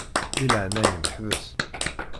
Di leɛnaya-m ḥbes.